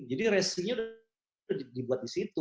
jadi resi nya udah dibuat di situ